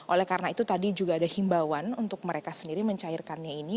oleh karena itu tadi juga ada himbawan untuk mereka sendiri mencairkannya ini